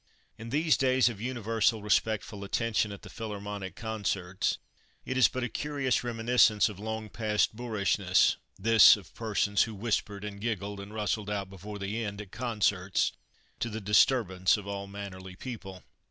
In these days of universal respectful attention at the Philharmonic concerts it is but a curious reminiscence of long passed boorishness, this of persons who whispered and giggled, and rustled out before the end, at concerts, to the disturbance of all mannerly people.